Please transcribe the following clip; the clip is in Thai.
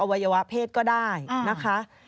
วัยวะเพศก็ได้นะคะ